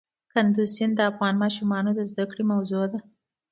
کندز سیند د افغان ماشومانو د زده کړې موضوع ده.